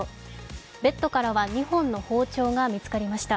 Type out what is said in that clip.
ベッドからは２本の包丁が見つかりました。